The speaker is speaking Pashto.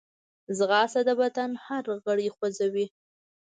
ځغاسته د بدن هر غړی خوځوي